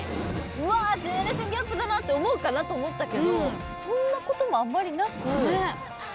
うわジェネレーションギャップだなって思うかなと思ったけどそんなこともあまりなく。